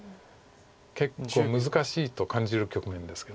結構難しいと感じる局面ですけど。